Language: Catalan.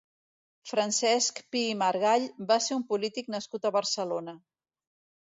Francesc Pi i Margall va ser un polític nascut a Barcelona.